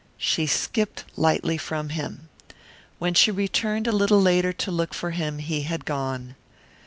She skipped lightly from him. When she returned a little later to look for him he had gone.